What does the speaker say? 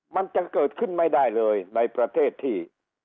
มันจะเกิดขึ้นไม่ได้เลยในประเทศที่